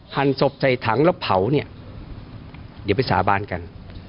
หันศพใส่ถังแล้วเผาเนี่ยเดี๋ยวไปสาบานกัน